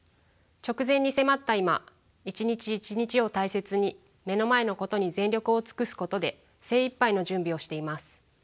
直前に迫った今一日一日を大切に目の前のことに全力を尽くすことで精いっぱいの準備をしています。